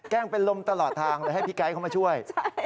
เป็นลมตลอดทางเลยให้พี่ไกด์เข้ามาช่วย